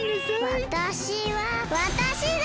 わたしはわたしだ！